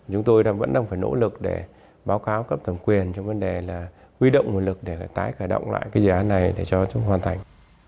chúng tôi vẫn đang phải nỗ lực để báo cáo cấp thẩm quyền trong vấn đề là huy động nguồn lực để tái khởi động lại cái dự án này để cho chúng hoàn thành